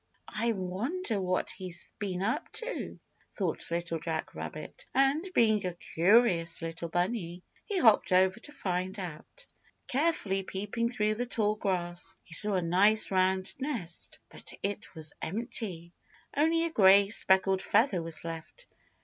"I wonder what he's been up to?" thought Little Jack Rabbit, and, being a curious little bunny, he hopped over to find out. Carefully peeping through the tall grass he saw a nice round nest, but it was empty. Only a gray speckled feather was left.